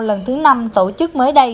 lần thứ năm tổ chức mới đây